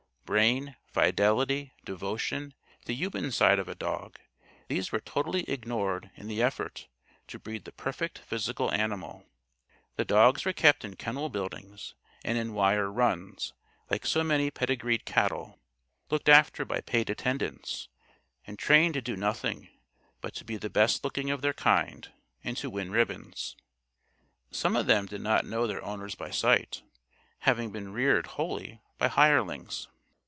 Brain, fidelity, devotion, the human side of a dog these were totally ignored in the effort to breed the perfect physical animal. The dogs were kept in kennel buildings and in wire "runs" like so many pedigreed cattle looked after by paid attendants, and trained to do nothing but to be the best looking of their kind, and to win ribbons. Some of them did not know their owners by sight having been reared wholly by hirelings.